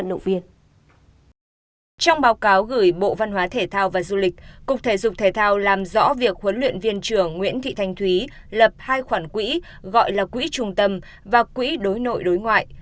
trong báo cáo gửi bộ văn hóa thể thao và du lịch cục thể dục thể thao làm rõ việc huấn luyện viên trưởng nguyễn thị thanh thúy lập hai khoản quỹ gọi là quỹ trung tâm và quỹ đối nội đối ngoại